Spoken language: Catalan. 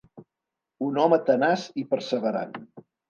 Un home tenaç i perseverant.